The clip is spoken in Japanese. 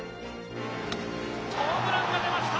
ホームランが出ました！